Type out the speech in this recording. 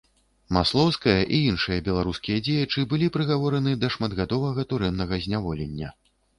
Маслоўская і іншыя беларускія дзеячы былі прыгавораны да шматгадовага турэмнага зняволення.